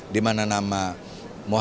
di mana nama mohamad